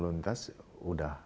mengatasi lalu lintas